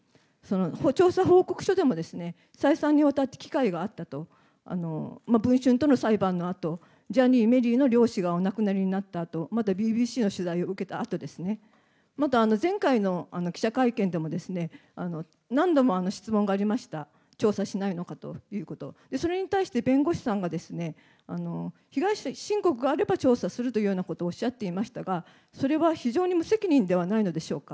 調査報告書でも、再三にわたって機会があったと、文春との裁判のあと、ジャニー、メリーの両氏がお亡くなりになったあと、またＢＢＣの取材を受けたあとですね、また前回の記者会見でも、何度も質問がありました、調査しないのかということ、それに対して弁護士さんが、被害申告があれば調査するというようなことをおっしゃっていましたが、それは非常に無責任ではないのでしょうか。